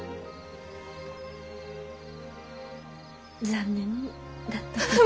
残念だったけど。